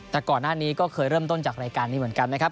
แต่ก่อนหน้านี้ก็เคยเริ่มต้นจากรายการนี้เหมือนกันนะครับ